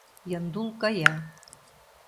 Яндул кая.